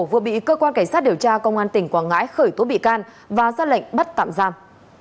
vừa bị cơ quan cảnh sát điều tra công an tỉnh quảng ngãi khởi tố bị can và ra lệnh bắt tạm giam